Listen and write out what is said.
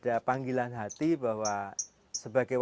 dengan pelaburan anak kecil gitu